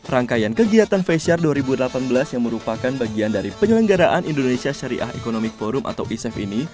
rangkaian kegiatan face share dua ribu delapan belas yang merupakan bagian dari penyelenggaraan indonesia syariah economic forum atau ecef ini